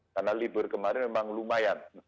karena libur kemarin memang lumayan